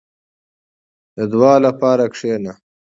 • د دعا لپاره کښېنه.